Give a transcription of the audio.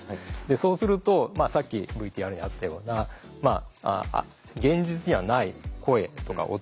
そうするとさっきＶＴＲにあったような現実にはない声とか音が聞こえてきたり